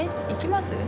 行きます？